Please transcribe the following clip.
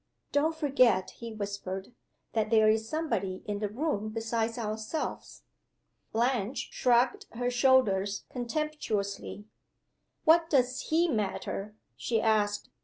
"Don't forget," he whispered, "that there is somebody in the room besides ourselves." Blanche shrugged her shoulders contemptuously. "What does he matter?" she asked.